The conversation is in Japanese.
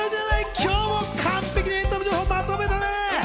今日も完璧にエンタメ情報をまとめたね。